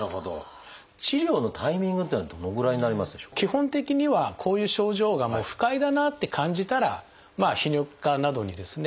基本的にはこういう症状が不快だなって感じたら泌尿器科などにですね